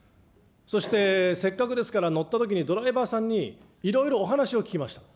そしてせっかくですから乗ったときにドライバーさんに、いろいろお話を聞きました。